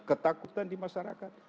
ketakutan di masyarakat